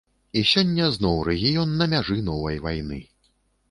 І сёння зноў рэгіён на мяжы новай вайны.